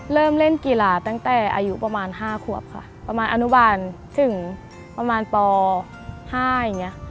เริ่มเล่นกีฬาตั้งแต่อายุประมาณ๕ขวบค่ะประมาณอนุบาลถึงประมาณป๕อย่างนี้